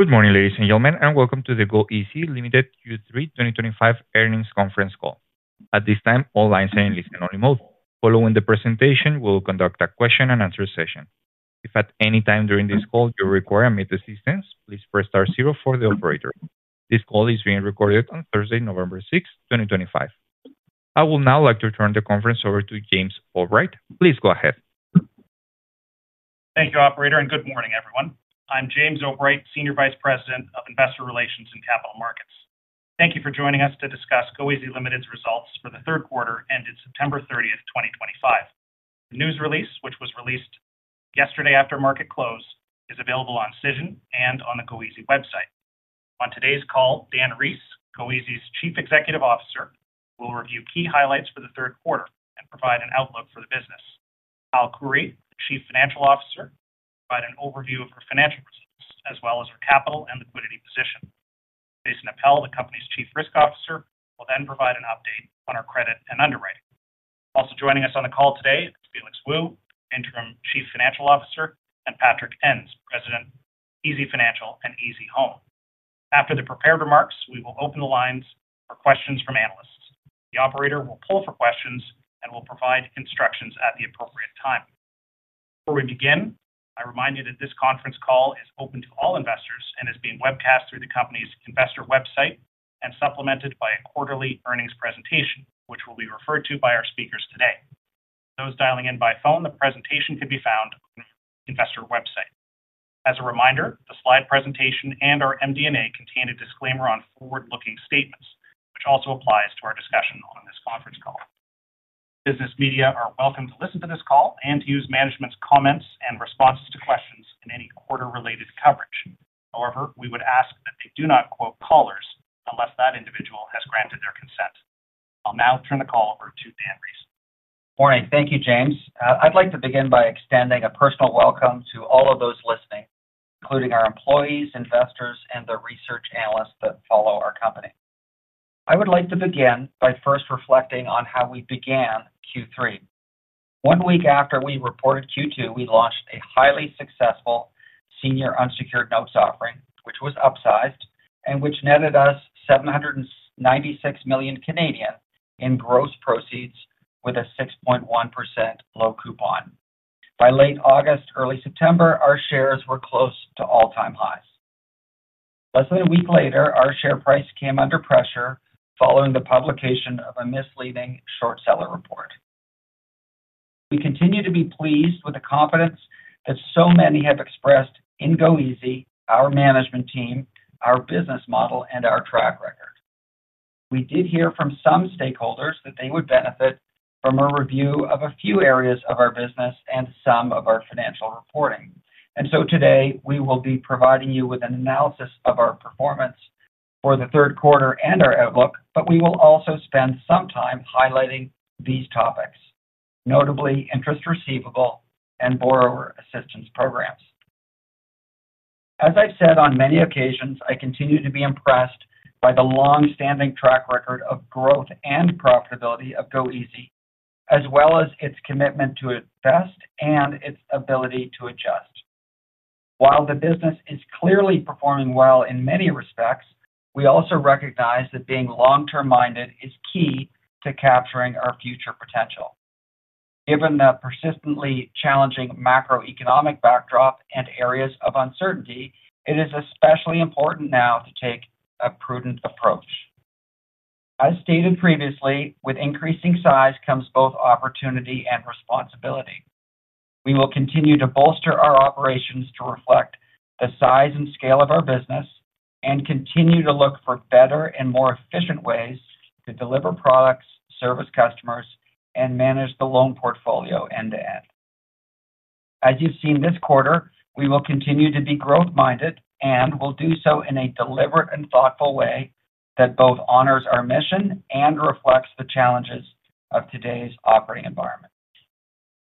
Good morning, ladies and gentlemen, and welcome to the Goeasy Limited Q3 2025 earnings conference call. At this time, all lines are in listen-only mode. Following the presentation, we'll conduct a question-and-answer session. If at any time during this call you require immediate assistance, please press star zero for the operator. This call is being recorded on Thursday, November 6th, 2025. I would now like to turn the conference over to James O'bright. Please go ahead. Thank you, Operator, and good morning, everyone. I'm James O'bright, Senior Vice President of Investor Relations and Capital Markets. Thank you for joining us to discuss Goeasy Limited's results for the third quarter ended September 30th, 2025. The news release, which was released yesterday after market close, is available on Cision and on the Goeasy website. On today's call, Dan Rees, Goeasy's Chief Executive Officer, will review key highlights for the third quarter and provide an outlook for the business. Hal Khouri, Chief Financial Officer, will provide an overview of her financial results as well as her capital and liquidity position. Jason Appel, the company's Chief Risk Officer, will then provide an update on her credit and underwriting. Also joining us on the call today is Felix Wu, Interim Chief Financial Officer, and Patrick Ens, President of Easy Financial and Easy Home. After the prepared remarks, we will open the lines for questions from analysts. The Operator will poll for questions and will provide instructions at the appropriate time. Before we begin, I remind you that this conference call is open to all investors and is being webcast through the company's investor website and supplemented by a quarterly earnings presentation, which will be referred to by our speakers today. For those dialing in by phone, the presentation can be found on the investor website. As a reminder, the slide presentation and our MD&A contain a disclaimer on forward-looking statements, which also applies to our discussion on this conference call. Business media are welcome to listen to this call and to use management's comments and responses to questions in any quarter-related coverage. However, we would ask that they do not quote callers unless that individual has granted their consent. I'll now turn the call over to Dan Rees. Morning. Thank you, James. I'd like to begin by extending a personal welcome to all of those listening, including our employees, investors, and the research analysts that follow our company. I would like to begin by first reflecting on how we began Q3. One week after we reported Q2, we launched a highly successful senior unsecured notes offering, which was upsized and which netted us 796 million in gross proceeds with a 6.1% low coupon. By late August, early September, our shares were close to all-time highs. Less than a week later, our share price came under pressure following the publication of a misleading short seller report. We continue to be pleased with the confidence that so many have expressed in Goeasy, our management team, our business model, and our track record. We did hear from some stakeholders that they would benefit from a review of a few areas of our business and some of our financial reporting. Today, we will be providing you with an analysis of our performance for the third quarter and our outlook, but we will also spend some time highlighting these topics, notably interest receivable and borrower assistance programs. As I've said on many occasions, I continue to be impressed by the long-standing track record of growth and profitability of Goeasy, as well as its commitment to invest and its ability to adjust. While the business is clearly performing well in many respects, we also recognize that being long-term minded is key to capturing our future potential. Given the persistently challenging macroeconomic backdrop and areas of uncertainty, it is especially important now to take a prudent approach. As stated previously, with increasing size comes both opportunity and responsibility. We will continue to bolster our operations to reflect the size and scale of our business and continue to look for better and more efficient ways to deliver products, service customers, and manage the loan portfolio end-to-end. As you've seen this quarter, we will continue to be growth-minded and will do so in a deliberate and thoughtful way that both honors our mission and reflects the challenges of today's operating environment.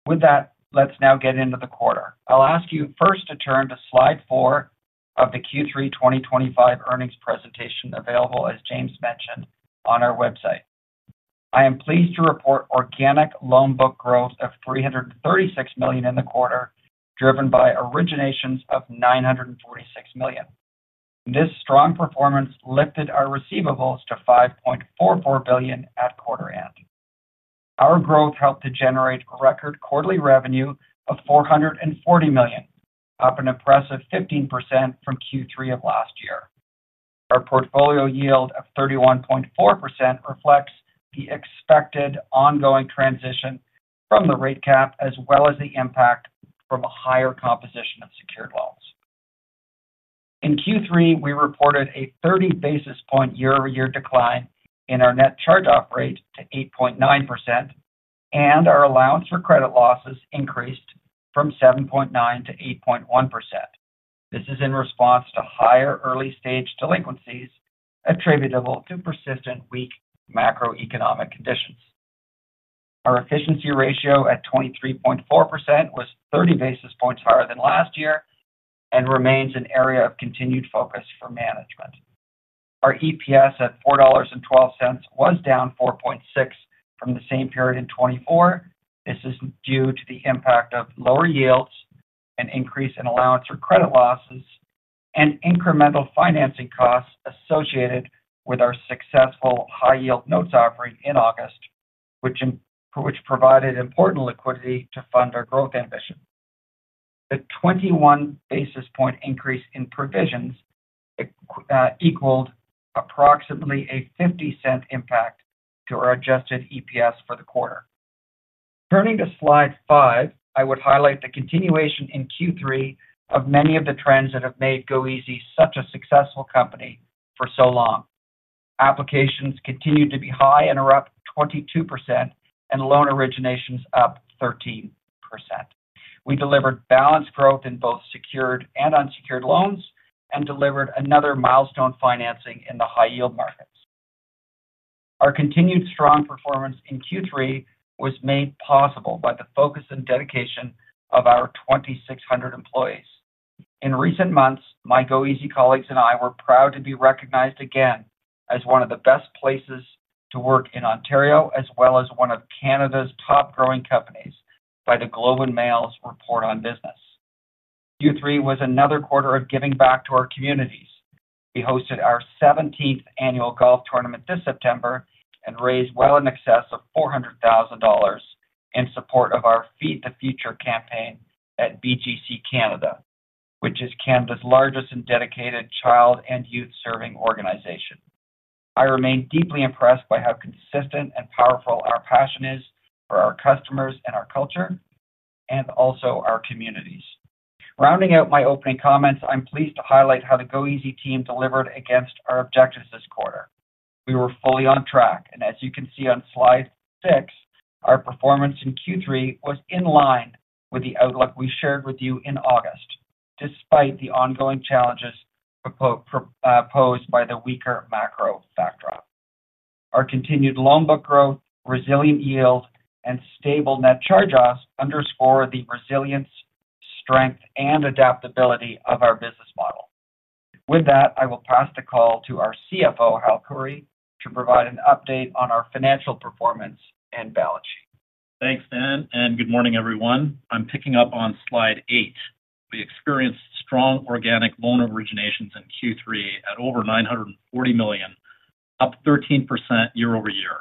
With that, let's now get into the quarter. I'll ask you first to turn to slide four of the Q3 2025 earnings presentation available, as James mentioned, on our website. I am pleased to report organic loan book growth of 336 million in the quarter, driven by originations of 946 million. This strong performance lifted our receivables to 5.44 billion at quarter end. Our growth helped to generate record quarterly revenue of 440 million, up an impressive 15% from Q3 of last year. Our portfolio yield of 31.4% reflects the expected ongoing transition from the rate cap as well as the impact from a higher composition of secured loans. In Q3, we reported a 30 basis point year-over-year decline in our net charge-off rate to 8.9%. Our allowance for credit losses increased from 7.9%-8.1%. This is in response to higher early-stage delinquencies attributable to persistent weak macroeconomic conditions. Our efficiency ratio at 23.4% was 30 basis points higher than last year and remains an area of continued focus for management. Our EPS at 4.12 dollars was down 4.6% from the same period in 2024. This is due to the impact of lower yields, an increase in allowance for credit losses, and incremental financing costs associated with our successful high-yield notes offering in August, which provided important liquidity to fund our growth ambition. The 21 basis point increase in provisions equaled approximately a $0.50 impact to our adjusted EPS for the quarter. Turning to slide five, I would highlight the continuation in Q3 of many of the trends that have made Goeasy such a successful company for so long. Applications continued to be high and are up 22%, and loan originations up 13%. We delivered balanced growth in both secured and unsecured loans and delivered another milestone financing in the high-yield markets. Our continued strong performance in Q3 was made possible by the focus and dedication of our 2,600 employees. In recent months, my Goeasy colleagues and I were proud to be recognized again as one of the best places to work in Ontario, as well as one of Canada's top-growing companies by the Globe and Mail's Report on Business. Q3 was another quarter of giving back to our communities. We hosted our 17th annual golf tournament this September and raised well in excess of 400,000 dollars. In support of our Feed the Future campaign at BGC Canada, which is Canada's largest and dedicated child and youth-serving organization. I remain deeply impressed by how consistent and powerful our passion is for our customers and our culture, and also our communities. Rounding out my opening comments, I'm pleased to highlight how the Goeasy team delivered against our objectives this quarter. We were fully on track, and as you can see on slide six, our performance in Q3 was in line with the outlook we shared with you in August, despite the ongoing challenges posed by the weaker macro backdrop. Our continued loan book growth, resilient yield, and stable net charge-offs underscore the resilience, strength, and adaptability of our business model. With that, I will pass the call to our CFO, Hal Khouri, to provide an update on our financial performance and balance sheet. Thanks, Dan, and good morning, everyone. I'm picking up on slide eight. We experienced strong organic loan originations in Q3 at over 940 million, up 13% year-over-year.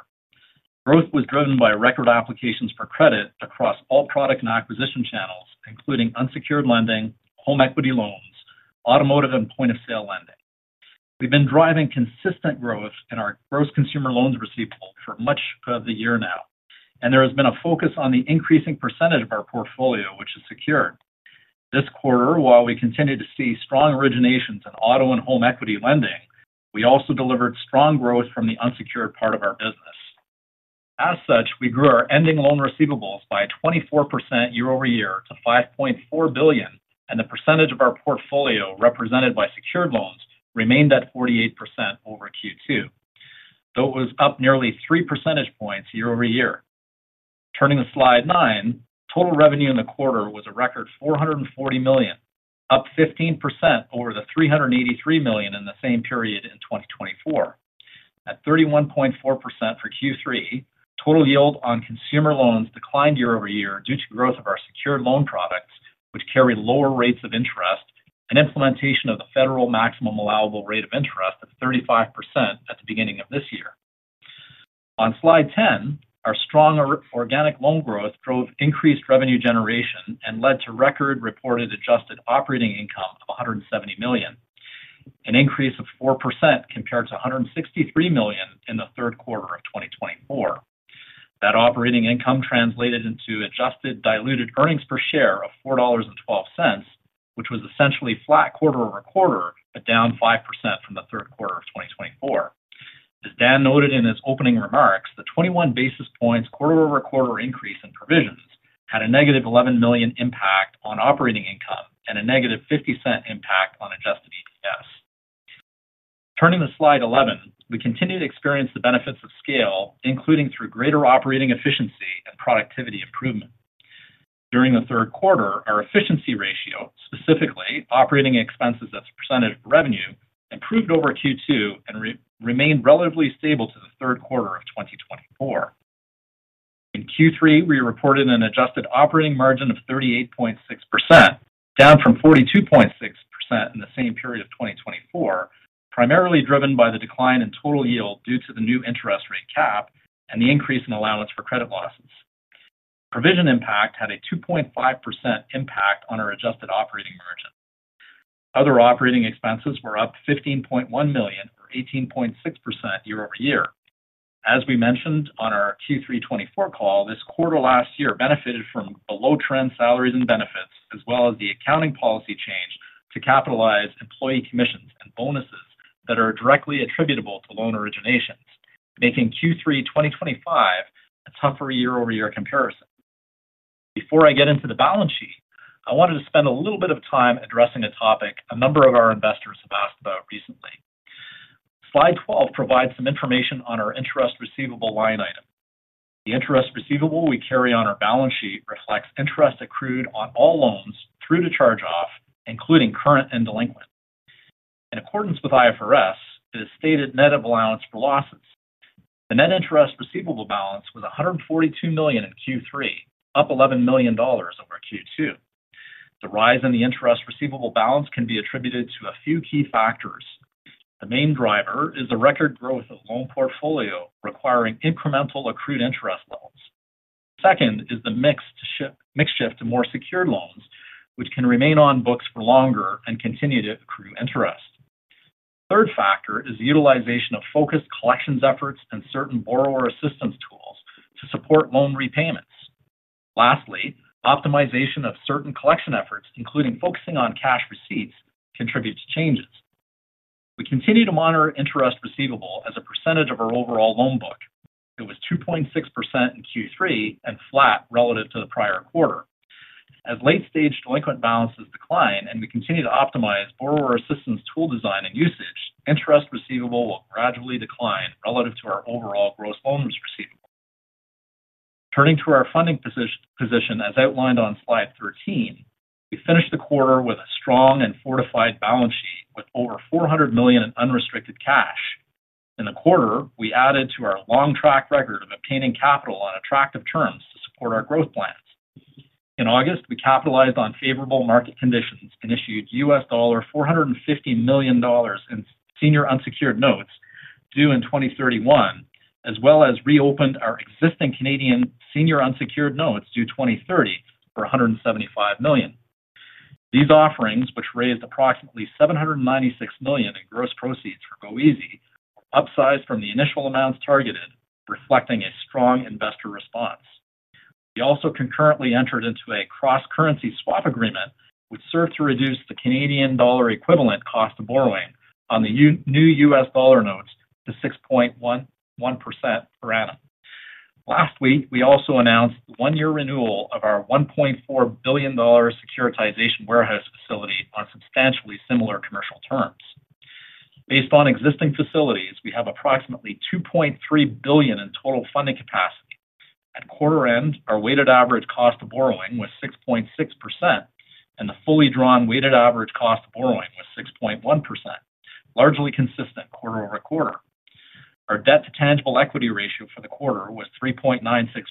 Growth was driven by record applications for credit across all product and acquisition channels, including unsecured lending, home equity loans, automotive, and point-of-sale lending. We've been driving consistent growth in our gross consumer loans receivable for much of the year now, and there has been a focus on the increasing percentage of our portfolio, which is secured. This quarter, while we continued to see strong originations in auto and home equity lending, we also delivered strong growth from the unsecured part of our business. As such, we grew our ending loan receivables by 24% year-over-year to 5.4 billion, and the percentage of our portfolio represented by secured loans remained at 48% over Q2, though it was up nearly 3 percentage points year-over-year. Turning to slide nine, total revenue in the quarter was a record 440 million, up 15% over the 383 million in the same period in 2024. At 31.4% for Q3, total yield on consumer loans declined year-over-year due to growth of our secured loan products, which carry lower rates of interest, and implementation of the federal maximum allowable rate of interest at 35% at the beginning of this year. On slide ten, our strong organic loan growth drove increased revenue generation and led to record-reported adjusted operating income of 170 million, an increase of 4% compared to 163 million in the third quarter of 2024. That operating income translated into adjusted diluted earnings per share of 4.12 dollars, which was essentially flat quarter-over-quarter, but down 5% from the third quarter of 2024. As Dan noted in his opening remarks, the 21 basis points quarter-over-quarter increase in provisions had a negative 11 million impact on operating income and a negative 0.50 impact on adjusted EPS. Turning to slide 11, we continued to experience the benefits of scale, including through greater operating efficiency and productivity improvement. During the third quarter, our efficiency ratio, specifically operating expenses as a percentage of revenue, improved over Q2 and remained relatively stable to the third quarter of 2024. In Q3, we reported an adjusted operating margin of 38.6%, down from 42.6% in the same period of 2024, primarily driven by the decline in total yield due to the new interest rate cap and the increase in allowance for credit losses. Provision impact had a 2.5% impact on our adjusted operating margin. Other operating expenses were up 15.1 million or 18.6% year-over-year. As we mentioned on our Q3 2024 call, this quarter last year benefited from below-trend salaries and benefits, as well as the accounting policy change to capitalize employee commissions and bonuses that are directly attributable to loan originations, making Q3 2025 a tougher year-over-year comparison. Before I get into the balance sheet, I wanted to spend a little bit of time addressing a topic a number of our investors have asked about recently. Slide 12 provides some information on our interest receivable line item. The interest receivable we carry on our balance sheet reflects interest accrued on all loans through the charge-off, including current and delinquent. In accordance with IFRS, it is stated net of allowance for losses. The net interest receivable balance was 142 million in Q3, up 11 million dollars over Q2. The rise in the interest receivable balance can be attributed to a few key factors. The main driver is the record growth of loan portfolio requiring incremental accrued interest loans. Second is the mix shift to more secured loans, which can remain on books for longer and continue to accrue interest. The third factor is utilization of focused collections efforts and certain borrower assistance tools to support loan repayments. Lastly, optimization of certain collection efforts, including focusing on cash receipts, contributes to changes. We continue to monitor interest receivable as a percentage of our overall loan book. It was 2.6% in Q3 and flat relative to the prior quarter. As late-stage delinquent balances decline and we continue to optimize borrower assistance tool design and usage, interest receivable will gradually decline relative to our overall gross loan receivable. Turning to our funding position, as outlined on slide 13, we finished the quarter with a strong and fortified balance sheet with over 400 million in unrestricted cash. In the quarter, we added to our long track record of obtaining capital on attractive terms to support our growth plans. In August, we capitalized on favorable market conditions and issued $450 million in senior unsecured notes due in 2031, as well as reopened our existing Canadian senior unsecured notes due 2030 for 175 million. These offerings, which raised approximately 796 million in gross proceeds for Goeasy, were upsized from the initial amounts targeted, reflecting a strong investor response. We also concurrently entered into a cross-currency swap agreement, which served to reduce the Canadian dollar equivalent cost of borrowing on the new U.S. dollar notes to 6.11% per annum. Last week, we also announced the one-year renewal of our 1.4 billion dollar securitization warehouse facility on substantially similar commercial terms. Based on existing facilities, we have approximately 2.3 billion in total funding capacity. At quarter end, our weighted average cost of borrowing was 6.6%, and the fully drawn weighted average cost of borrowing was 6.1%, largely consistent quarter-over-quarter. Our debt-to-tangible equity ratio for the quarter was 3.96%,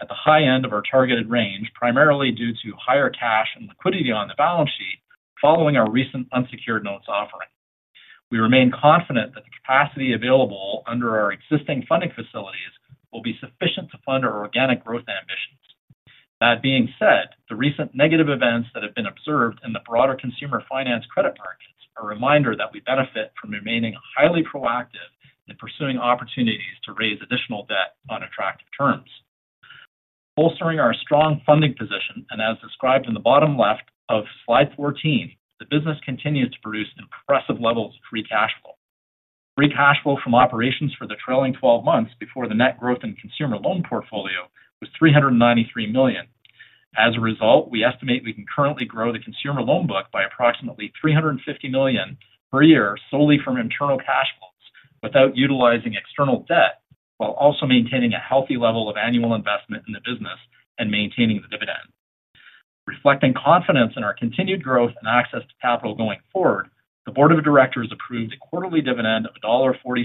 at the high end of our targeted range, primarily due to higher cash and liquidity on the balance sheet following our recent unsecured notes offering. We remain confident that the capacity available under our existing funding facilities will be sufficient to fund our organic growth ambitions. That being said, the recent negative events that have been observed in the broader consumer finance credit markets are a reminder that we benefit from remaining highly proactive in pursuing opportunities to raise additional debt on attractive terms. Bolstering our strong funding position, and as described in the bottom left of slide 14, the business continues to produce impressive levels of free cash flow. Free cash flow from operations for the trailing 12 months before the net growth in consumer loan portfolio was 393 million. As a result, we estimate we can currently grow the consumer loan book by approximately 350 million per year solely from internal cash flows without utilizing external debt, while also maintaining a healthy level of annual investment in the business and maintaining the dividend. Reflecting confidence in our continued growth and access to capital going forward, the Board of Directors approved a quarterly dividend of dollar 1.46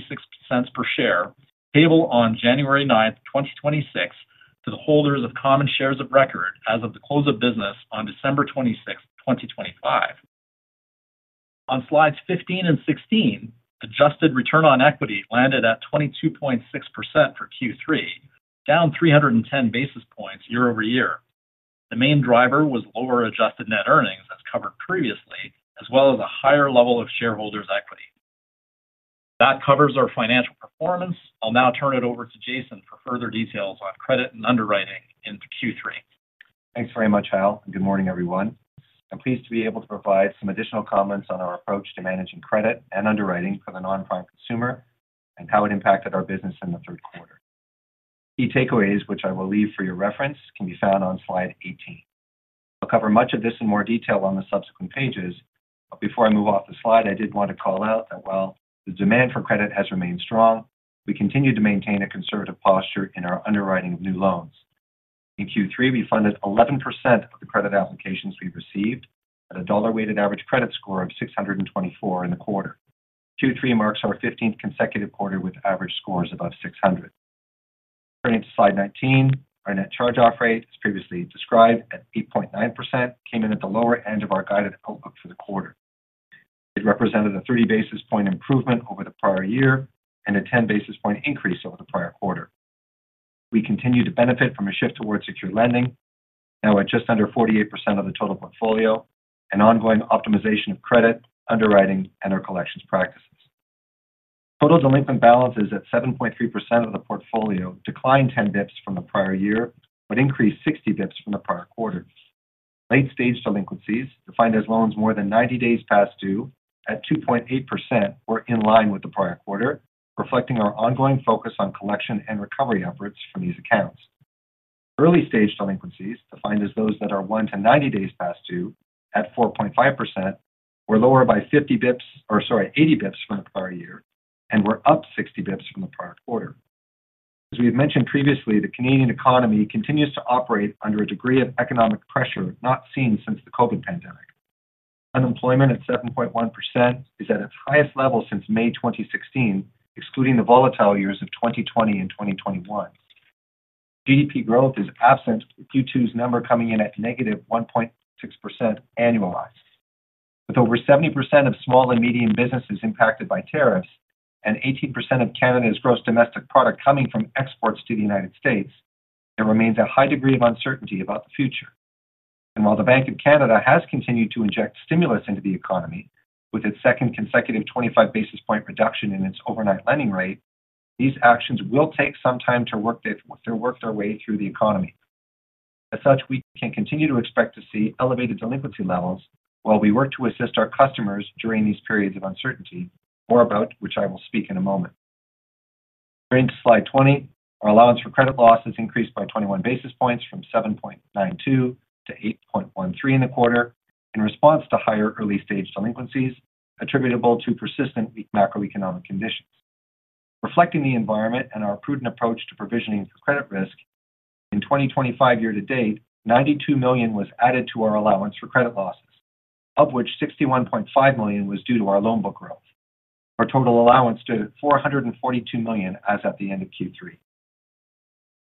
per share payable on January 9th, 2026, to the holders of common shares of record as of the close of business on December 26th, 2025. On slides 15 and 16, adjusted return on equity landed at 22.6% for Q3, down 310 basis points year-over-year. The main driver was lower adjusted net earnings, as covered previously, as well as a higher level of shareholders' equity. That covers our financial performance. I'll now turn it over to Jason for further details on credit and underwriting in Q3. Thanks very much, Hal. Good morning, everyone. I'm pleased to be able to provide some additional comments on our approach to managing credit and underwriting for the non-prime consumer and how it impacted our business in the third quarter. Key takeaways, which I will leave for your reference, can be found on slide 18. I'll cover much of this in more detail on the subsequent pages, but before I move off the slide, I did want to call out that while the demand for credit has remained strong, we continue to maintain a conservative posture in our underwriting of new loans. In Q3, we funded 11% of the credit applications we've received at a dollar-weighted average credit score of 624 in the quarter. Q3 marks our 15th consecutive quarter with average scores above 600. Turning to slide 19, our net charge-off rate, as previously described at 8.9%, came in at the lower end of our guided outlook for the quarter. It represented a 3 basis point improvement over the prior year and a 10 basis point increase over the prior quarter. We continue to benefit from a shift towards secure lending, now at just under 48% of the total portfolio, and ongoing optimization of credit, underwriting, and our collections practices. Total delinquent balances at 7.3% of the portfolio declined 10 basis points from the prior year, but increased 60 basis points from the prior quarter. Late-stage delinquencies, defined as loans more than 90 days past due, at 2.8%, were in line with the prior quarter, reflecting our ongoing focus on collection and recovery efforts from these accounts. Early-stage delinquencies, defined as those that are 1 to 90 days past due, at 4.5%, were lower by 80 basis points from the prior year and were up 60 basis points from the prior quarter. As we've mentioned previously, the Canadian economy continues to operate under a degree of economic pressure not seen since the COVID pandemic. Unemployment at 7.1% is at its highest level since May 2016, excluding the volatile years of 2020 and 2021. GDP growth is absent with Q2's number coming in at negative 1.6% annualized. With over 70% of small and medium businesses impacted by tariffs and 18% of Canada's gross domestic product coming from exports to the United States, there remains a high degree of uncertainty about the future. While the Bank of Canada has continued to inject stimulus into the economy with its second consecutive 25 basis point reduction in its overnight lending rate, these actions will take some time to work their way through the economy. As such, we can continue to expect to see elevated delinquency levels while we work to assist our customers during these periods of uncertainty, more about which I will speak in a moment. Turning to slide 20, our allowance for credit losses has increased by 21 basis points from 7.92%-8.13% in the quarter in response to higher early-stage delinquencies attributable to persistent macroeconomic conditions. Reflecting the environment and our prudent approach to provisioning for credit risk, in 2025 year to date, 92 million was added to our allowance for credit losses, of which 61.5 million was due to our loan book growth. Our total allowance stood at 442 million as of the end of Q3.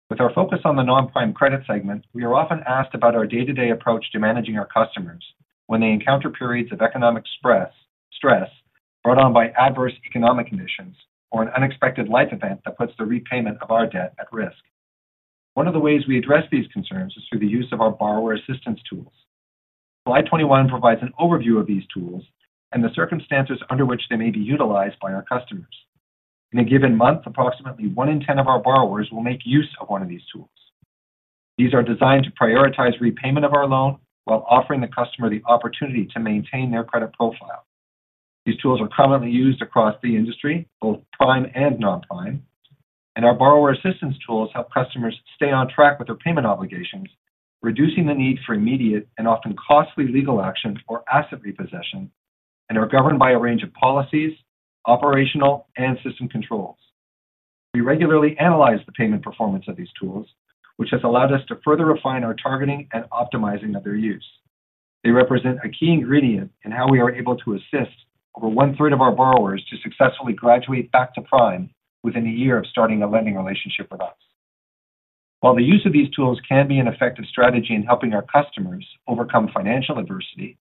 With our focus on the non-prime credit segment, we are often asked about our day-to-day approach to managing our customers when they encounter periods of economic stress brought on by adverse economic conditions or an unexpected life event that puts the repayment of our debt at risk. One of the ways we address these concerns is through the use of our borrower assistance tools. Slide 21 provides an overview of these tools and the circumstances under which they may be utilized by our customers. In a given month, approximately one in 10 of our borrowers will make use of one of these tools. These are designed to prioritize repayment of our loan while offering the customer the opportunity to maintain their credit profile. These tools are commonly used across the industry, both prime and non-prime, and our borrower assistance tools help customers stay on track with their payment obligations, reducing the need for immediate and often costly legal action or asset repossession, and are governed by a range of policies, operational, and system controls. We regularly analyze the payment performance of these tools, which has allowed us to further refine our targeting and optimizing of their use. They represent a key ingredient in how we are able to assist over one-third of our borrowers to successfully graduate back to prime within a year of starting a lending relationship with us. While the use of these tools can be an effective strategy in helping our customers overcome financial adversity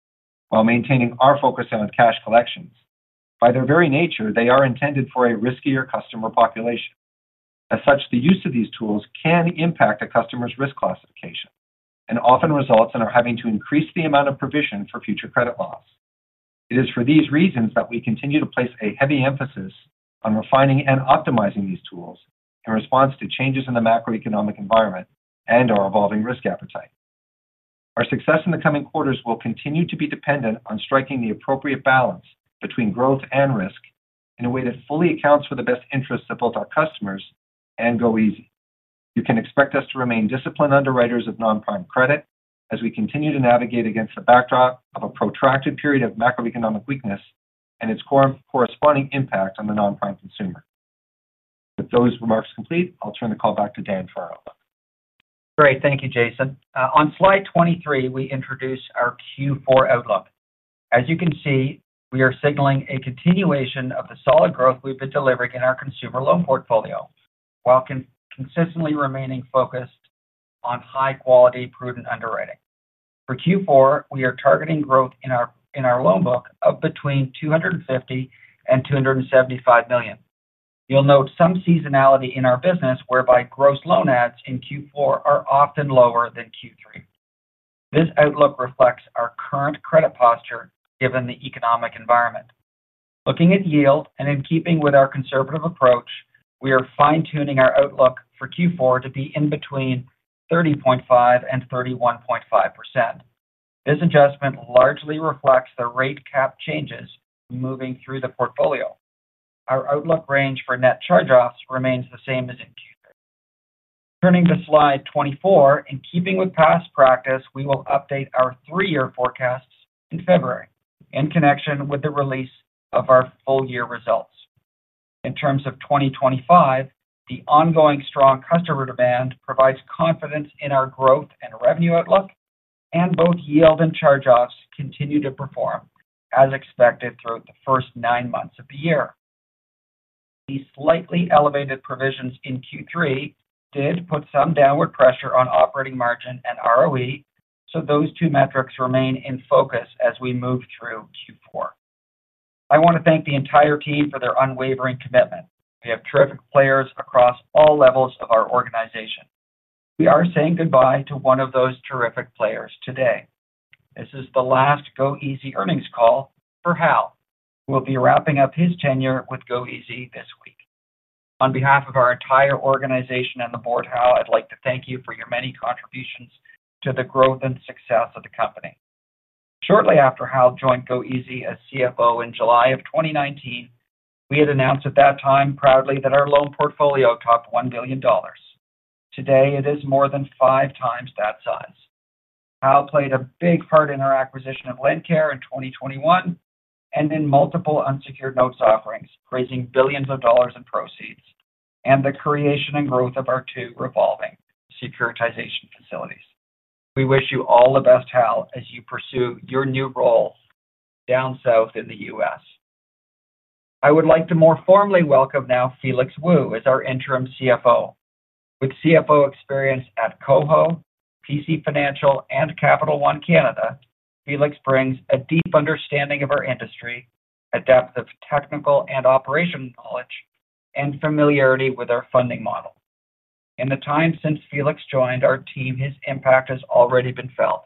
while maintaining our focus on cash collections, by their very nature, they are intended for a riskier customer population. As such, the use of these tools can impact a customer's risk classification and often results in our having to increase the amount of provision for future credit loss. It is for these reasons that we continue to place a heavy emphasis on refining and optimizing these tools in response to changes in the macroeconomic environment and our evolving risk appetite. Our success in the coming quarters will continue to be dependent on striking the appropriate balance between growth and risk in a way that fully accounts for the best interests of both our customers and Goeasy. You can expect us to remain disciplined underwriters of non-prime credit as we continue to navigate against the backdrop of a protracted period of macroeconomic weakness and its corresponding impact on the non-prime consumer. With those remarks complete, I'll turn the call back to Dan for our outlook. Great. Thank you, Jason. On slide 23, we introduce our Q4 outlook. As you can see, we are signaling a continuation of the solid growth we have been delivering in our consumer loan portfolio while consistently remaining focused on high-quality, prudent underwriting. For Q4, we are targeting growth in our loan book of between 250 million and 275 million. You will note some seasonality in our business whereby gross loan ads in Q4 are often lower than Q3. This outlook reflects our current credit posture given the economic environment. Looking at yield and in keeping with our conservative approach, we are fine-tuning our outlook for Q4 to be in between 30.5% and 31.5%. This adjustment largely reflects the rate cap changes moving through the portfolio. Our outlook range for net charge-offs remains the same as in Q3. Turning to slide 24, in keeping with past practice, we will update our three-year forecasts in February in connection with the release of our full-year results. In terms of 2025, the ongoing strong customer demand provides confidence in our growth and revenue outlook, and both yield and charge-offs continue to perform as expected throughout the first nine months of the year. These slightly elevated provisions in Q3 did put some downward pressure on operating margin and ROE, so those two metrics remain in focus as we move through Q4. I want to thank the entire team for their unwavering commitment. We have terrific players across all levels of our organization. We are saying goodbye to one of those terrific players today. This is the last Goeasy earnings call for Hal, who will be wrapping up his tenure with Goeasy this week. On behalf of our entire organization and the board, Hal, I'd like to thank you for your many contributions to the growth and success of the company. Shortly after Hal joined Goeasy as CFO in July of 2019, we had announced at that time proudly that our loan portfolio topped 1 billion dollars. Today, it is more than five times that size. Hal played a big part in our acquisition of LendCare in 2021 and in multiple unsecured notes offerings, raising billions of dollars in proceeds and the creation and growth of our two revolving securitization facilities. We wish you all the best, Hal, as you pursue your new role down south in the U.S. I would like to more formally welcome now Felix Wu as our interim CFO. With CFO experience at Koho, PC Financial, and Capital One Canada, Felix brings a deep understanding of our industry, a depth of technical and operational knowledge, and familiarity with our funding model. In the time since Felix joined our team, his impact has already been felt.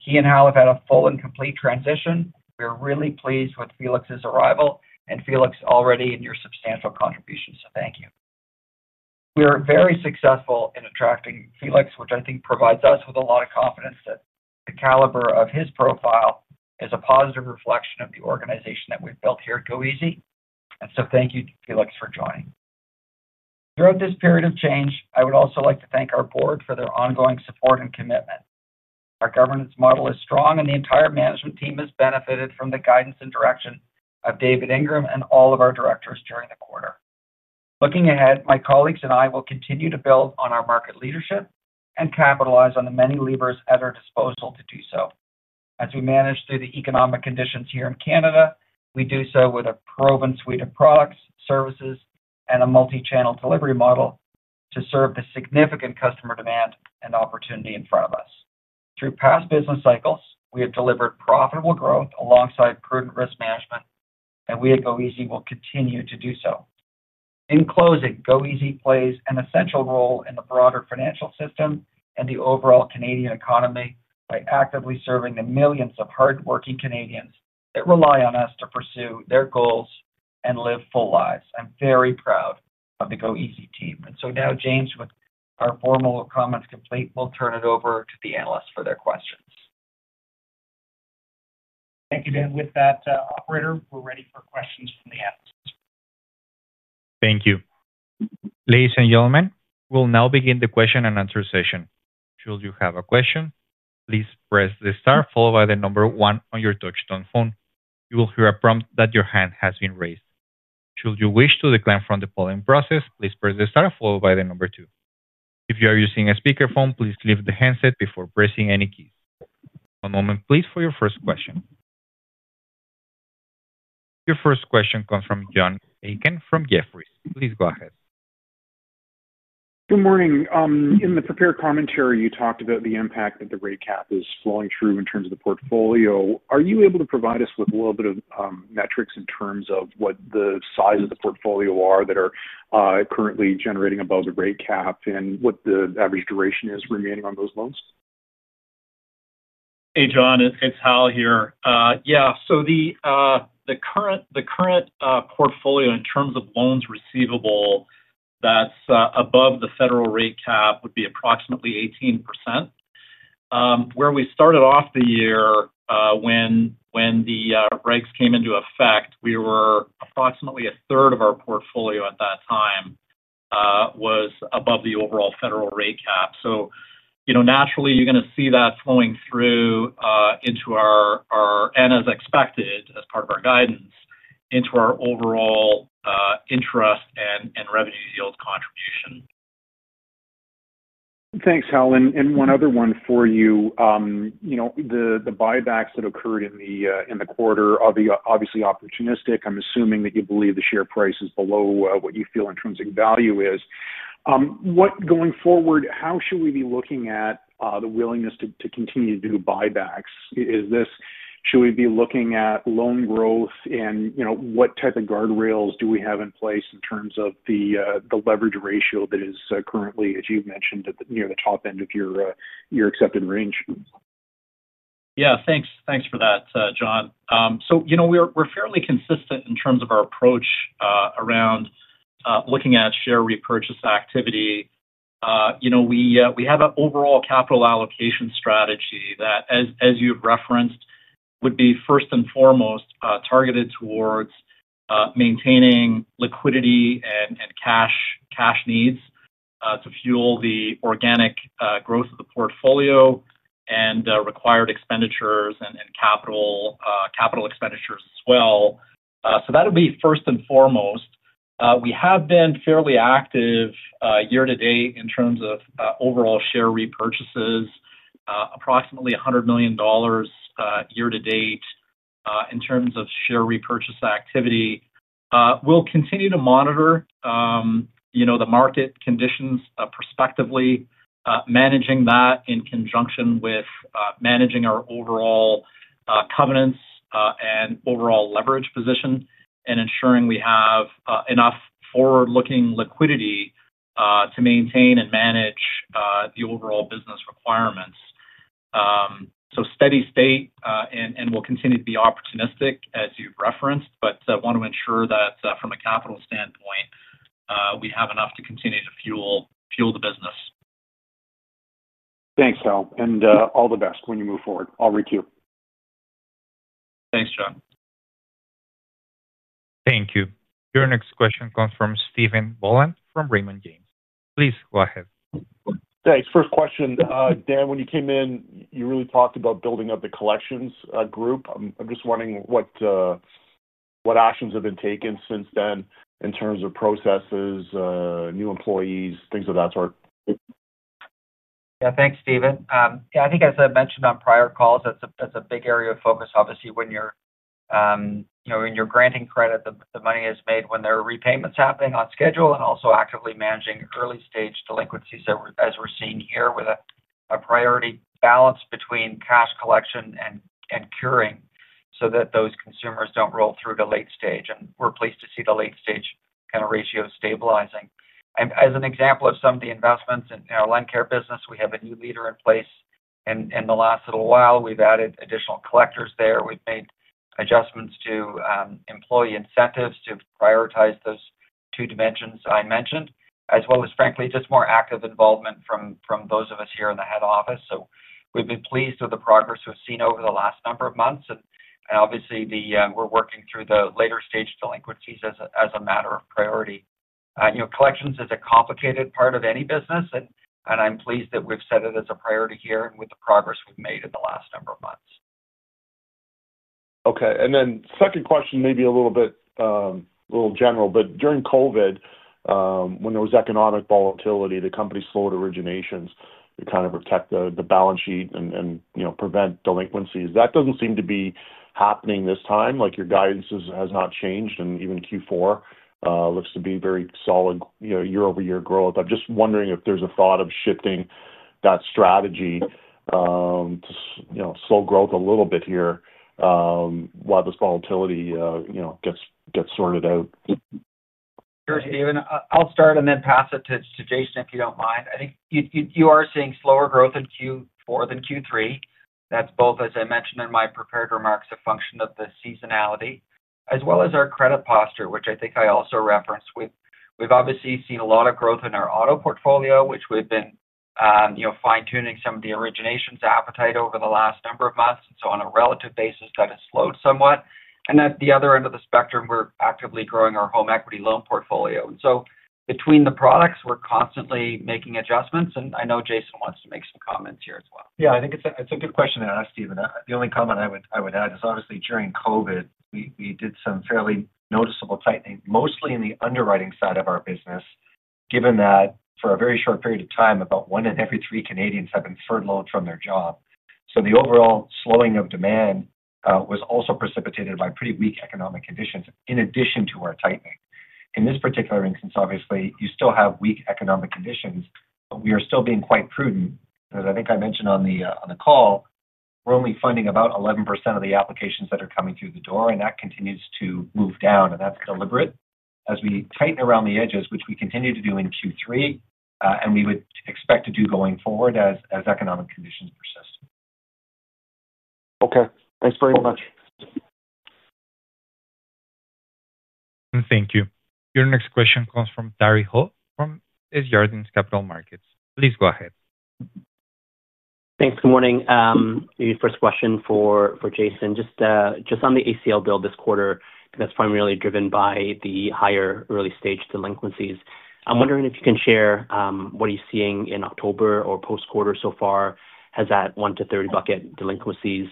He and Hal have had a full and complete transition. We are really pleased with Felix's arrival and Felix already and your substantial contributions. Thank you. We are very successful in attracting Felix, which I think provides us with a lot of confidence that the caliber of his profile is a positive reflection of the organization that we have built here at Goeasy. Thank you, Felix, for joining. Throughout this period of change, I would also like to thank our board for their ongoing support and commitment. Our governance model is strong, and the entire management team has benefited from the guidance and direction of David Ingram and all of our directors during the quarter. Looking ahead, my colleagues and I will continue to build on our market leadership and capitalize on the many levers at our disposal to do so. As we manage through the economic conditions here in Canada, we do so with a proven suite of products, services, and a multi-channel delivery model to serve the significant customer demand and opportunity in front of us. Through past business cycles, we have delivered profitable growth alongside prudent risk management, and we at Goeasy will continue to do so. In closing, Goeasy plays an essential role in the broader financial system and the overall Canadian economy by actively serving the millions of hardworking Canadians that rely on us to pursue their goals and live full lives. I'm very proud of the Goeasy team. Now, James, with our formal comments complete, we'll turn it over to the analysts for their questions. Thank you, Dan. With that, operator, we're ready for questions from the analysts. Thank you. Ladies and gentlemen, we will now begin the question-and-answer session. Should you have a question, please press the star followed by the number one on your touch-tone phone. You will hear a prompt that your hand has been raised. Should you wish to decline from the following process, please press the star followed by the number two. If you are using a speakerphone, please lift the handset before pressing any keys. One moment, please, for your first question. Your first question comes from John Aiken from Jefferies. Please go ahead. Good morning. In the prepared commentary, you talked about the impact that the rate cap is flowing through in terms of the portfolio. Are you able to provide us with a little bit of metrics in terms of what the size of the portfolio are that are currently generating above the rate cap and what the average duration is remaining on those loans? Hey, John. It's Hal here. Yeah. So the current portfolio in terms of loans receivable that's above the federal rate cap would be approximately 18%. Where we started off the year, when the regs came into effect, we were approximately a third of our portfolio at that time was above the overall federal rate cap. Naturally, you're going to see that flowing through into our, and as expected, as part of our guidance, into our overall interest and revenue yield contribution. Thanks, Hal. One other one for you. The buybacks that occurred in the quarter are obviously opportunistic. I'm assuming that you believe the share price is below what you feel intrinsic value is. Going forward, how should we be looking at the willingness to continue to do buybacks? Should we be looking at loan growth and what type of guardrails do we have in place in terms of the leverage ratio that is currently, as you've mentioned, near the top end of your accepted range? Yeah. Thanks for that, John. We are fairly consistent in terms of our approach around looking at share repurchase activity. We have an overall capital allocation strategy that, as you have referenced, would be first and foremost targeted towards maintaining liquidity and cash needs to fuel the organic growth of the portfolio and required expenditures and capital expenditures as well. That would be first and foremost. We have been fairly active year-to-date in terms of overall share repurchases, approximately CAD 100 million year-to-date in terms of share repurchase activity. We will continue to monitor the market conditions prospectively, managing that in conjunction with managing our overall covenants and overall leverage position and ensuring we have enough forward-looking liquidity to maintain and manage the overall business requirements. Steady state and will continue to be opportunistic, as you have referenced, but want to ensure that from a capital standpoint we have enough to continue to fuel the business. Thanks, Hal. All the best when you move forward. I'll reach you. Thanks, John. Thank you. Your next question comes from Stephen Boland from Raymond James. Please go ahead. Thanks. First question. Dan, when you came in, you really talked about building up the collections group. I'm just wondering what actions have been taken since then in terms of processes, new employees, things of that sort. Yeah. Thanks, Stephen. Yeah. I think, as I mentioned on prior calls, that's a big area of focus, obviously, when you're granting credit, the money is made when there are repayments happening on schedule and also actively managing early-stage delinquencies, as we're seeing here, with a priority balance between cash collection and curing so that those consumers don't roll through the late stage. We are pleased to see the late-stage kind of ratio stabilizing. As an example of some of the investments in our LendCare business, we have a new leader in place. In the last little while, we've added additional collectors there. We've made adjustments to employee incentives to prioritize those two dimensions I mentioned, as well as, frankly, just more active involvement from those of us here in the head office. We have been pleased with the progress we've seen over the last number of months. Obviously, we're working through the later-stage delinquencies as a matter of priority. Collections is a complicated part of any business, and I'm pleased that we've set it as a priority here and with the progress we've made in the last number of months. Okay. Then second question, maybe a little bit general, but during COVID, when there was economic volatility, the company slowed originations to kind of protect the balance sheet and prevent delinquencies. That does not seem to be happening this time. Your guidance has not changed, and even Q4 looks to be very solid year-over-year growth. I am just wondering if there is a thought of shifting that strategy to slow growth a little bit here while this volatility gets sorted out. Sure, Stephen. I'll start and then pass it to Jason, if you don't mind. I think you are seeing slower growth in Q4 than Q3. That's both, as I mentioned in my prepared remarks, a function of the seasonality as well as our credit posture, which I think I also referenced. We've obviously seen a lot of growth in our auto portfolio, which we've been fine-tuning some of the originations appetite over the last number of months. On a relative basis, that has slowed somewhat. At the other end of the spectrum, we're actively growing our home equity loan portfolio. Between the products, we're constantly making adjustments. I know Jason wants to make some comments here as well. Yeah. I think it's a good question to ask, Stephen. The only comment I would add is, obviously, during COVID, we did some fairly noticeable tightening, mostly in the underwriting side of our business, given that for a very short period of time, about one in every three Canadians have been furloughed from their job. The overall slowing of demand was also precipitated by pretty weak economic conditions in addition to our tightening. In this particular instance, obviously, you still have weak economic conditions, but we are still being quite prudent. As I think I mentioned on the call, we're only funding about 11% of the applications that are coming through the door, and that continues to move down. That is deliberate as we tighten around the edges, which we continue to do in Q3, and we would expect to do going forward as economic conditions persist. Okay. Thanks very much. Thank you. Your next question comes from Gary Ho from Desjardins Capital Markets. Please go ahead. Thanks. Good morning. First question for Jason. Just on the ACL build this quarter, that's primarily driven by the higher early-stage delinquencies. I'm wondering if you can share what are you seeing in October or post-quarter so far, has that 1 to 30 bucket delinquencies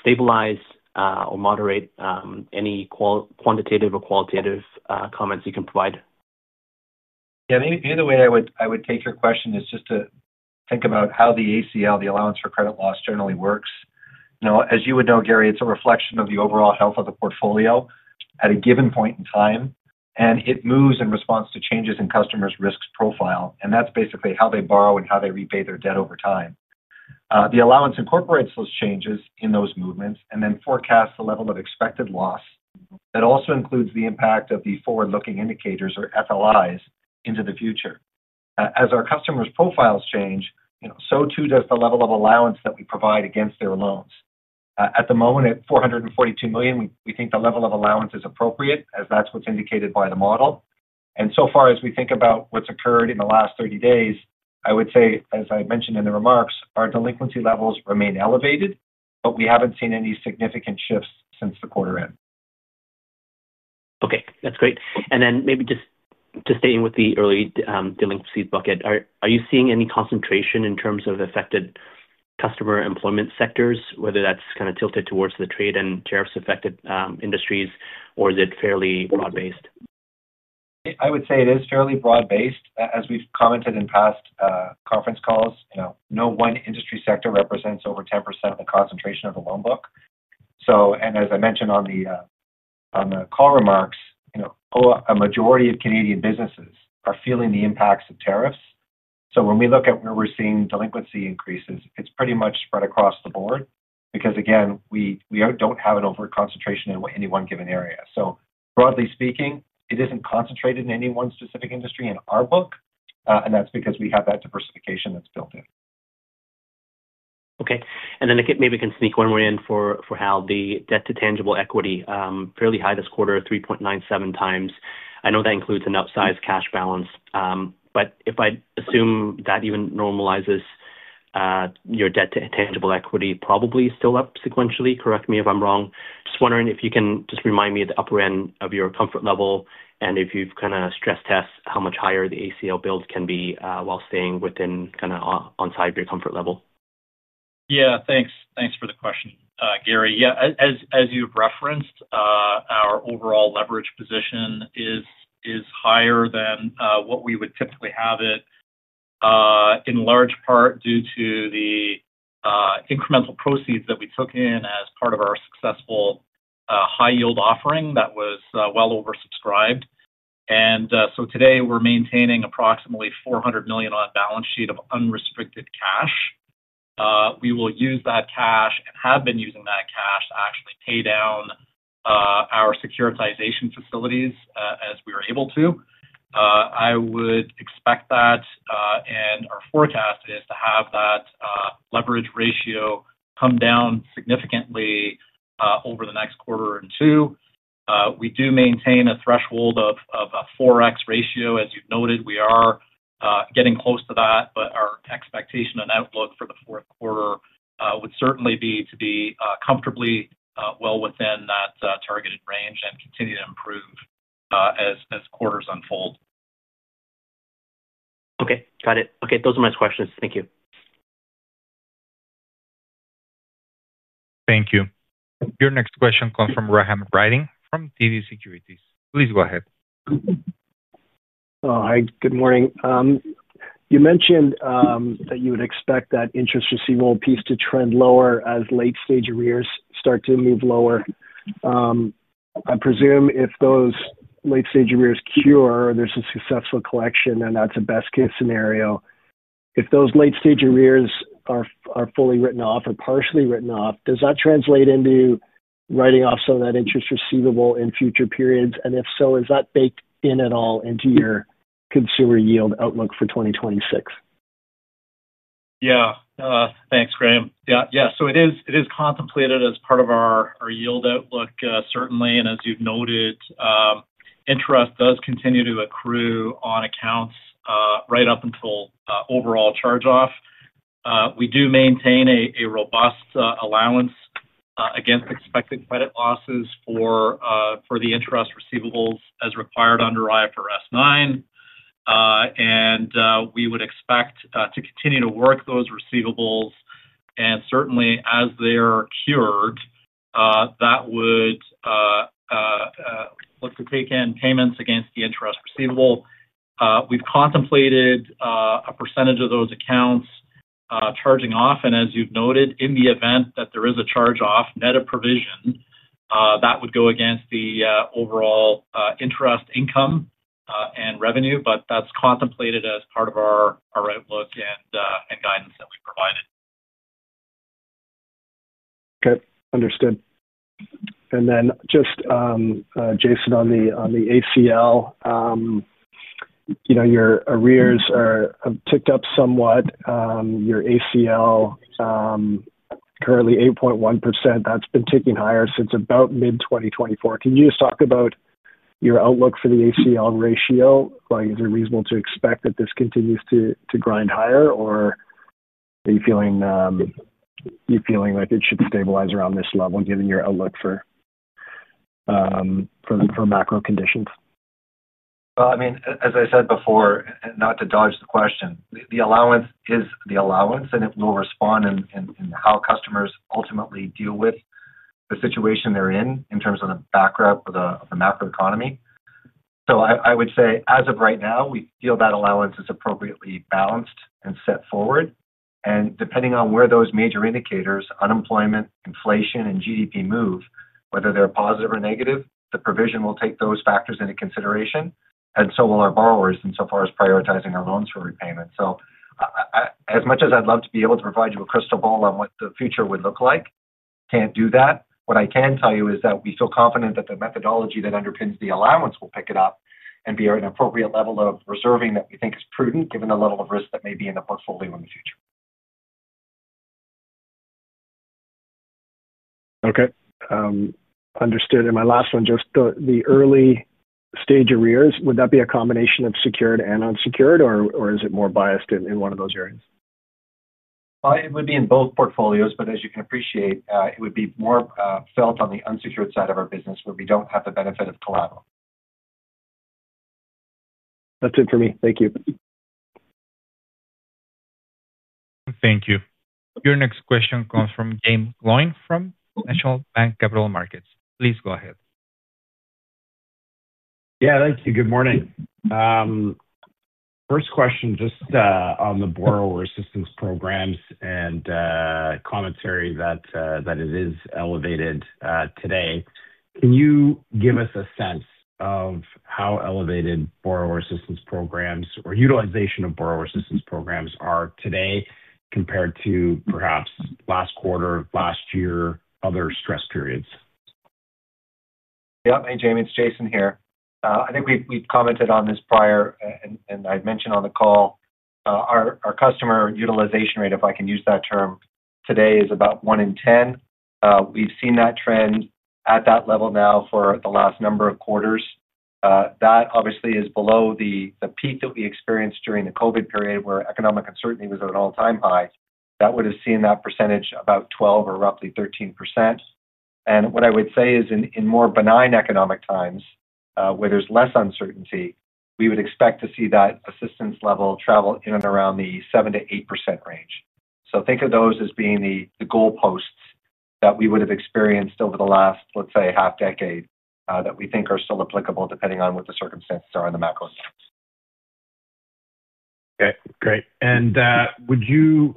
stabilized or moderated? Any quantitative or qualitative comments you can provide? Yeah. The only way I would take your question is just to think about how the ACL, the Allowance for Credit Losses, generally works. As you would know, Gary, it's a reflection of the overall health of the portfolio at a given point in time, and it moves in response to changes in customers' risk profile. That's basically how they borrow and how they repay their debt over time. The allowance incorporates those changes in those movements and then forecasts the level of expected loss. That also includes the impact of the forward-looking indicators or FLIs into the future. As our customers' profiles change, so too does the level of allowance that we provide against their loans. At the moment, at 442 million, we think the level of allowance is appropriate, as that's what's indicated by the model. As we think about what's occurred in the last 30 days, I would say, as I mentioned in the remarks, our delinquency levels remain elevated, but we haven't seen any significant shifts since the quarter end. Okay. That's great. Maybe just staying with the early delinquency bucket, are you seeing any concentration in terms of affected customer employment sectors, whether that's kind of tilted towards the trade and tariffs-affected industries, or is it fairly broad-based? I would say it is fairly broad-based. As we've commented in past conference calls, no one industry sector represents over 10% of the concentration of the loan book. As I mentioned on the call remarks, a majority of Canadian businesses are feeling the impacts of tariffs. When we look at where we're seeing delinquency increases, it is pretty much spread across the board because, again, we do not have an over-concentration in any one given area. Broadly speaking, it is not concentrated in any one specific industry in our book, and that is because we have that diversification that is built in. Okay. Maybe I can sneak one more in for Hal. The debt-to-tangible equity, fairly high this quarter, 3.97x. I know that includes an upsized cash balance, but if I assume that even normalizes, your debt-to-tangible equity probably still up sequentially, correct me if I'm wrong. Just wondering if you can just remind me of the upper end of your comfort level and if you've kind of stress-tested how much higher the ACL build can be while staying kind of on side of your comfort level. Yeah. Thanks for the question, Gary. Yeah. As you've referenced, our overall leverage position is higher than what we would typically have it, in large part due to the incremental proceeds that we took in as part of our successful high-yield offering that was well oversubscribed. Today, we're maintaining approximately 400 million on a balance sheet of unrestricted cash. We will use that cash and have been using that cash to actually pay down our securitization facilities as we were able to. I would expect that, and our forecast is to have that leverage ratio come down significantly over the next quarter or two. We do maintain a threshold of a 4x ratio. As you've noted, we are getting close to that, but our expectation and outlook for the fourth quarter would certainly be to be comfortably well within that targeted range and continue to improve. As quarters unfold. Okay. Got it. Okay. Those are my questions. Thank you. Thank you. Your next question comes from Graham Ryding from TD Securities. Please go ahead. Hi. Good morning. You mentioned that you would expect that interest receivable piece to trend lower as late-stage arrears start to move lower. I presume if those late-stage arrears cure or there's a successful collection, and that's a best-case scenario, if those late-stage arrears are fully written off or partially written off, does that translate into writing off some of that interest receivable in future periods? If so, is that baked in at all into your consumer yield outlook for 2026? Yeah. Thanks, Graham. Yeah. It is contemplated as part of our yield outlook, certainly. As you have noted, interest does continue to accrue on accounts right up until overall charge-off. We do maintain a robust allowance against expected credit losses for the interest receivables as required under IFRS 9. We would expect to continue to work those receivables, and certainly, as they are cured, that would look to take in payments against the interest receivable. We have contemplated a percentage of those accounts charging off, and as you have noted, in the event that there is a charge-off, net of provision, that would go against the overall interest income and revenue, but that is contemplated as part of our outlook and guidance that we provided. Okay. Understood. And then just Jason, on the ACL. Your arrears have ticked up somewhat. Your ACL, currently 8.1%. That's been ticking higher since about mid-2024. Can you just talk about your outlook for the ACL ratio? Is it reasonable to expect that this continues to grind higher, or are you feeling like it should stabilize around this level given your outlook for macro conditions? I mean, as I said before, not to dodge the question, the allowance is the allowance, and it will respond in how customers ultimately deal with the situation they are in in terms of the backdrop of the macroeconomy. I would say, as of right now, we feel that allowance is appropriately balanced and set forward. Depending on where those major indicators, unemployment, inflation, and GDP move, whether they are positive or negative, the provision will take those factors into consideration, and so will our borrowers insofar as prioritizing our loans for repayment. As much as I would love to be able to provide you a crystal ball on what the future would look like, I cannot do that. What I can tell you is that we feel confident that the methodology that underpins the allowance will pick it up and be at an appropriate level of reserving that we think is prudent given the level of risk that may be in the portfolio in the future. Okay. Understood. My last one, just the early stage arrears, would that be a combination of secured and unsecured, or is it more biased in one of those areas? It would be in both portfolios, but as you can appreciate, it would be more felt on the unsecured side of our business where we do not have the benefit of collateral. That's it for me. Thank you. Thank you. Your next question comes from James Yang from National Bank Capital Markets. Please go ahead. Yeah. Thank you. Good morning. First question, just on the borrower assistance programs and commentary that it is elevated today. Can you give us a sense of how elevated borrower assistance programs or utilization of borrower assistance programs are today compared to perhaps last quarter, last year, other stress periods? Yeah. Hey, Jamie. It's Jason here. I think we've commented on this prior, and I mentioned on the call. Our customer utilization rate, if I can use that term, today is about 1 in 10. We've seen that trend at that level now for the last number of quarters. That obviously is below the peak that we experienced during the COVID period where economic uncertainty was at an all-time high. That would have seen that percentage about 12% or roughly 13%. What I would say is, in more benign economic times where there is less uncertainty, we would expect to see that assistance level travel in and around the 7%-8% range. Think of those as being the goal posts that we would have experienced over the last, let's say, half-decade that we think are still applicable depending on what the circumstances are in the macro sense. Okay. Great. Would you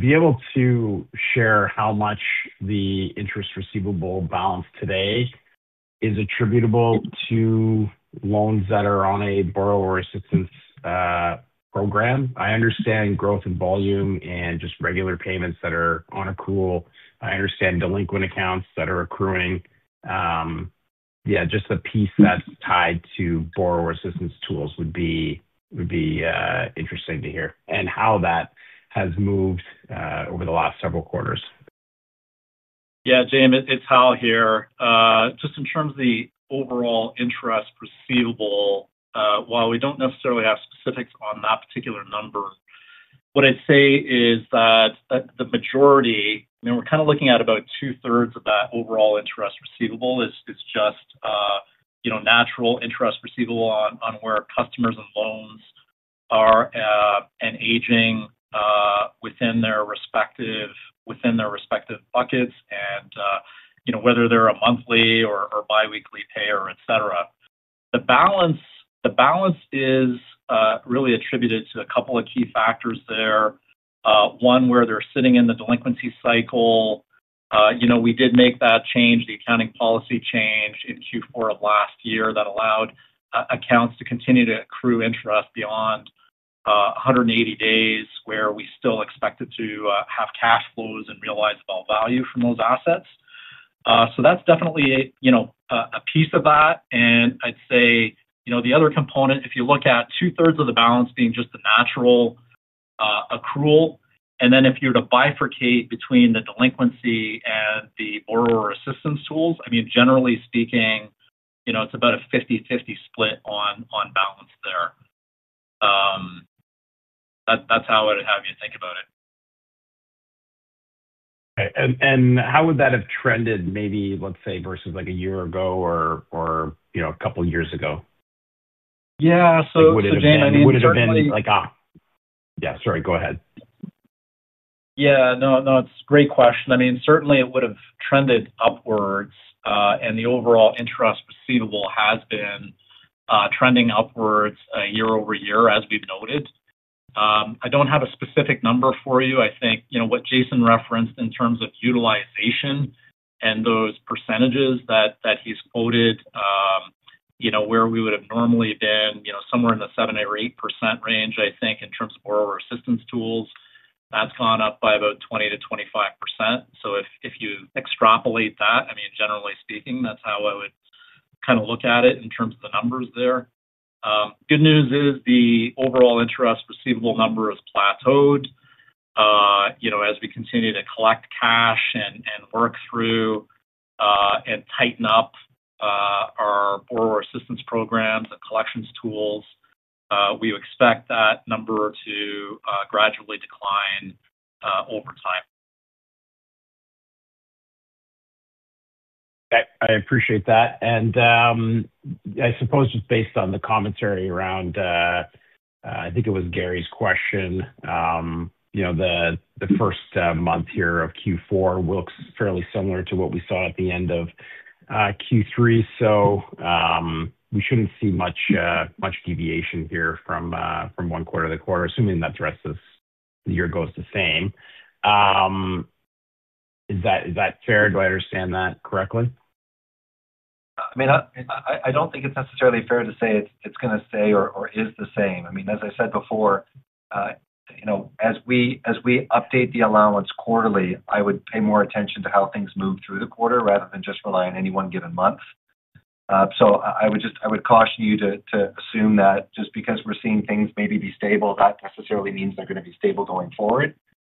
be able to share how much the interest receivable balance today is attributable to loans that are on a borrower assistance program? I understand growth in volume and just regular payments that are on accrual. I understand delinquent accounts that are accruing. Yeah, just the piece that is tied to borrower assistance tools would be interesting to hear and how that has moved over the last several quarters. Yeah. James, it's Hal here. Just in terms of the overall interest receivable, while we don't necessarily have specifics on that particular number. What I'd say is that the majority, I mean, we're kind of looking at about 2/3 of that overall interest receivable is just natural interest receivable on where customers and loans are and aging within their respective buckets. Whether they're a monthly or biweekly payer, et cetera. The balance is really attributed to a couple of key factors there. One, where they're sitting in the delinquency cycle. We did make that change, the accounting policy change in Q4 of last year that allowed accounts to continue to accrue interest beyond 180 days where we still expected to have cash flows and realize value from those assets. That's definitely a piece of that. I'd say the other component, if you look at two-thirds of the balance being just the natural accrual, and then if you were to bifurcate between the delinquency and the borrower assistance tools, I mean, generally speaking, it's about a 50/50 split on balance there. That's how I'd have you think about it. Okay. How would that have trended maybe, let's say, versus a year ago or a couple of years ago? Yeah. So James, I mean. Would it have been like a yeah? Sorry. Go ahead. Yeah. No, no. It's a great question. I mean, certainly, it would have trended upwards, and the overall interest receivable has been trending upwards year-over-year, as we've noted. I don't have a specific number for you. I think what Jason referenced in terms of utilization and those percentages that he's quoted, where we would have normally been somewhere in the 7% or 8% range, I think, in terms of borrower assistance tools, that's gone up by about 20%-25%. If you extrapolate that, I mean, generally speaking, that's how I would kind of look at it in terms of the numbers there. Good news is the overall interest receivable number has plateaued. As we continue to collect cash and work through and tighten up our borrower assistance programs and collections tools, we expect that number to gradually decline over time. I appreciate that. I suppose just based on the commentary around, I think it was Gary's question, the first month here of Q4 looks fairly similar to what we saw at the end of Q3. We shouldn't see much deviation here from one quarter to the quarter, assuming that the rest of the year goes the same. Is that fair? Do I understand that correctly? I mean, I don't think it's necessarily fair to say it's going to stay or is the same. I mean, as I said before, as we update the allowance quarterly, I would pay more attention to how things move through the quarter rather than just rely on any one given month. I would caution you to assume that just because we're seeing things maybe be stable, that necessarily means they're going to be stable going forward.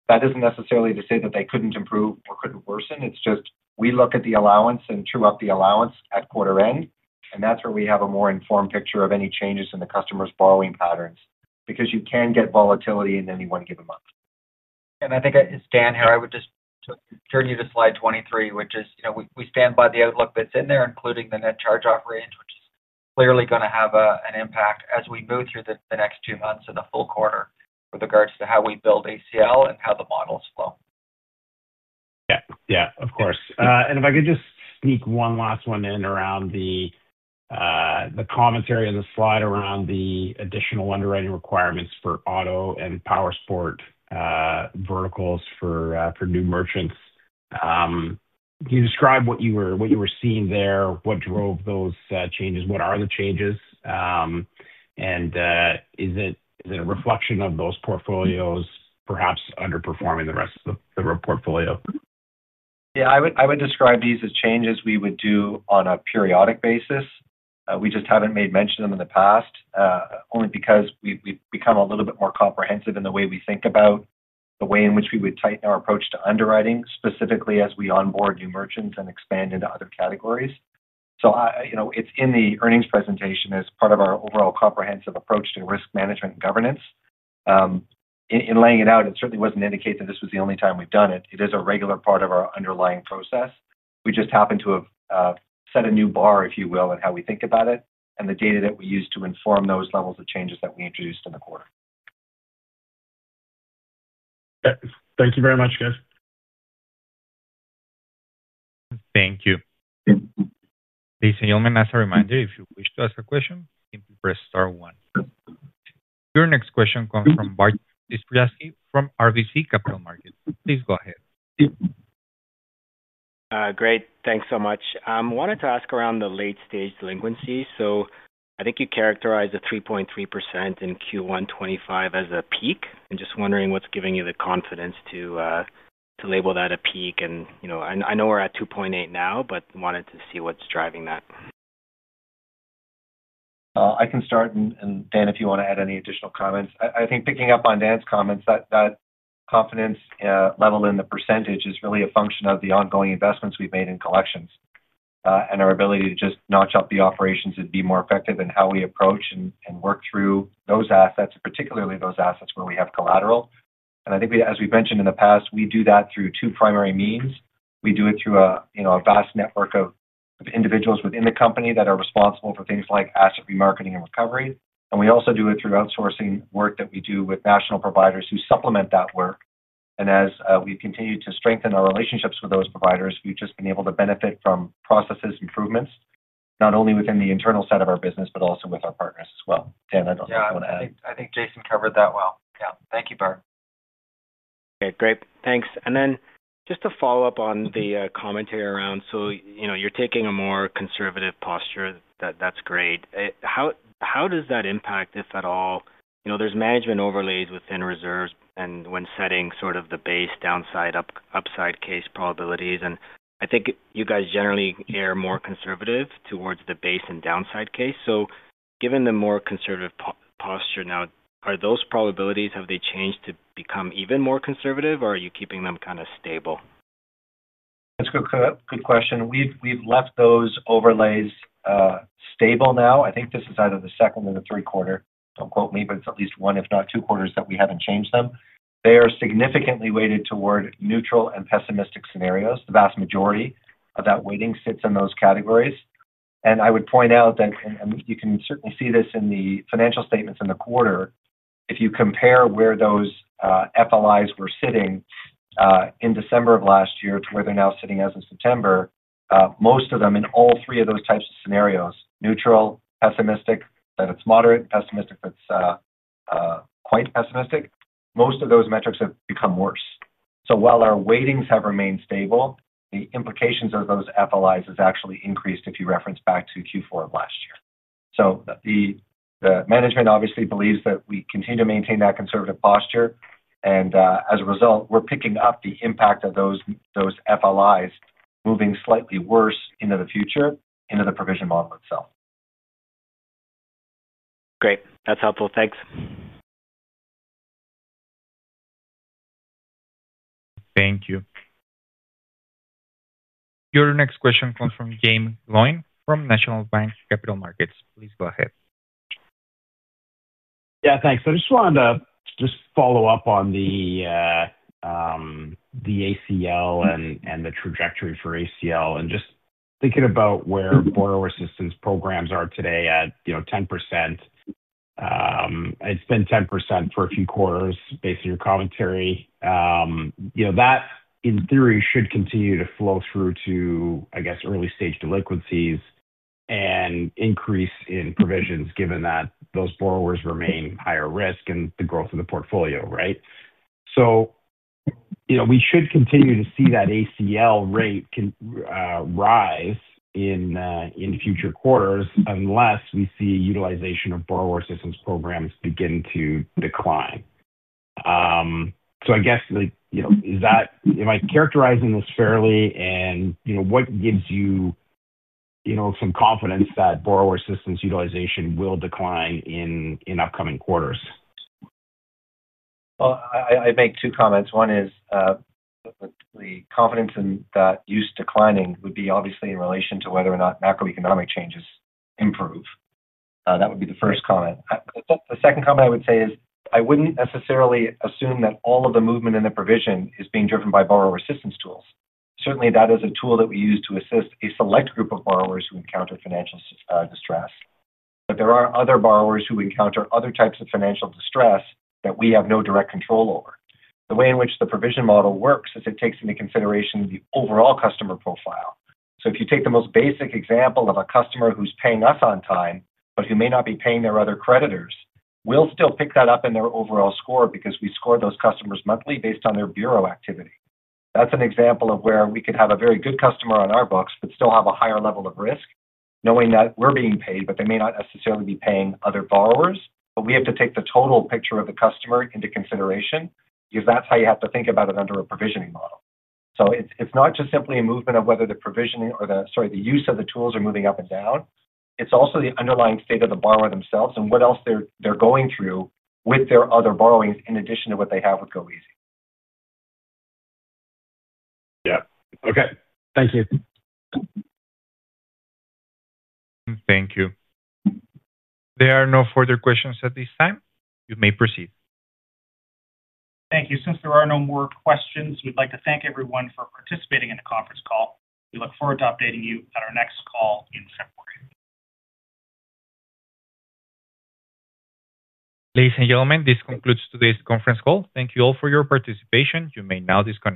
That isn't necessarily to say that they couldn't improve or couldn't worsen. It's just we look at the allowance and true up the allowance at quarter end, and that's where we have a more informed picture of any changes in the customer's borrowing patterns because you can get volatility in any one given month. I think, it's Dan here, I would just turn you to slide 23, which is we stand by the outlook that's in there, including the net charge-off range, which is clearly going to have an impact as we move through the next two months and the full quarter with regards to how we build ACL and how the models flow. Yeah. Yeah. Of course. If I could just sneak one last one in around the commentary on the slide around the additional underwriting requirements for auto and power sport verticals for new merchants. Can you describe what you were seeing there? What drove those changes? What are the changes? Is it a reflection of those portfolios, perhaps underperforming the rest of the portfolio? Yeah. I would describe these as changes we would do on a periodic basis. We just haven't made mention of them in the past, only because we've become a little bit more comprehensive in the way we think about the way in which we would tighten our approach to underwriting, specifically as we onboard new merchants and expand into other categories. It is in the earnings presentation as part of our overall comprehensive approach to risk management and governance.In laying it out, it certainly was not indicated that this was the only time we have done it. It is a regular part of our underlying process. We just happen to have set a new bar, if you will, in how we think about it and the data that we use to inform those levels of changes that we introduced in the quarter. Thank you very much, guys. Thank you. As a reminder, if you wish to ask a question, simply press star one. Your next question comes from Bart Dziarski from RBC Capital Markets. Please go ahead. Great. Thanks so much. I wanted to ask around the late-stage delinquency. I think you characterized the 3.3% in Q1 2025 as a peak. I'm just wondering what's giving you the confidence to label that a peak. I know we're at 2.8% now, but wanted to see what's driving that. I can start. Dan, if you want to add any additional comments. I think picking up on Dan's comments, that confidence level in the percentage is really a function of the ongoing investments we have made in collections and our ability to just notch up the operations and be more effective in how we approach and work through those assets, particularly those assets where we have collateral. I think, as we have mentioned in the past, we do that through two primary means. We do it through a vast network of individuals within the company that are responsible for things like asset remarketing and recovery. We also do it through outsourcing work that we do with national providers who supplement that work. As we continue to strengthen our relationships with those providers, we have just been able to benefit from process improvements, not only within the internal set of our business, but also with our partners as well. Dan, I do not know if you want to add. Yeah. I think Jason covered that well. Yeah. Thank you, Bart. Okay. Great. Thanks. Just to follow up on the commentary around, so you're taking a more conservative posture. That's great. How does that impact, if at all? There's management overlays within reserves and when setting sort of the base downside-upside case probabilities. I think you guys generally are more conservative towards the base and downside case. Given the more conservative posture now, are those probabilities, have they changed to become even more conservative, or are you keeping them kind of stable? That's a good question. We've left those overlays stable now. I think this is either the second or the third quarter. Don't quote me, but it's at least one, if not two quarters that we haven't changed them. They are significantly weighted toward neutral and pessimistic scenarios. The vast majority of that weighting sits in those categories. I would point out that, and you can certainly see this in the financial statements in the quarter, if you compare where those FLIs were sitting in December of last year to where they're now sitting as of September. Most of them in all three of those types of scenarios: neutral, pessimistic, that is moderate pessimistic, that is quite pessimistic, most of those metrics have become worse. While our weightings have remained stable, the implications of those FLIs have actually increased if you reference back to Q4 of last year. The management obviously believes that we continue to maintain that conservative posture. As a result, we're picking up the impact of those FLIs moving slightly worse into the future, into the provision model itself. Great. That's helpful. Thanks. Thank you. Your next question comes from James Yang from National Bank Capital Markets. Please go ahead. Yeah. Thanks. I just wanted to just follow up on the ACL and the trajectory for ACL and just thinking about where borrower assistance programs are today at 10%. It's been 10% for a few quarters, based on your commentary. That, in theory, should continue to flow through to, I guess, early-stage delinquencies. An increase in provisions given that those borrowers remain higher risk and the growth of the portfolio, right? We should continue to see that ACL rate rise in future quarters unless we see utilization of borrower assistance programs begin to decline. I guess, am I characterizing this fairly? What gives you some confidence that borrower assistance utilization will decline in upcoming quarters? I make two comments. One is, the confidence in that use declining would be obviously in relation to whether or not macroeconomic changes improve. That would be the first comment. The second comment I would say is I wouldn't necessarily assume that all of the movement in the provision is being driven by borrower assistance tools. Certainly, that is a tool that we use to assist a select group of borrowers who encounter financial distress. There are other borrowers who encounter other types of financial distress that we have no direct control over. The way in which the provision model works is it takes into consideration the overall customer profile. If you take the most basic example of a customer who's paying us on time, but who may not be paying their other creditors, we'll still pick that up in their overall score because we score those customers monthly based on their bureau activity. That's an example of where we could have a very good customer on our books but still have a higher level of risk, knowing that we're being paid, but they may not necessarily be paying other borrowers. We have to take the total picture of the customer into consideration because that's how you have to think about it under a provisioning model. It's not just simply a movement of whether the provisioning or the, sorry, the use of the tools are moving up and down. It's also the underlying state of the borrower themselves and what else they're going through with their other borrowings in addition to what they have with Goeasy. Yeah. Okay. Thank you. Thank you. There are no further questions at this time. You may proceed. Thank you. Since there are no more questions, we'd like to thank everyone for participating in the conference call. We look forward to updating you at our next call in February. This concludes today's conference call. Thank you all for your participation. You may now disconnect.